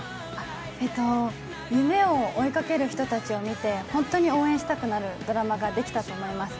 夢を追いかける人たちを見て、本当に応援したくなるドラマができたと思います。